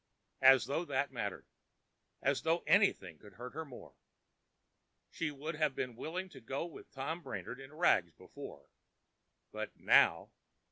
As though that mattered!—as though anything could hurt her more! She would have been willing to go with Tom Brainard in rags before—but now!